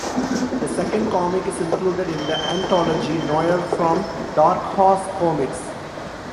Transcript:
A second comic is included in the anthology "Noir", from Dark Horse Comics.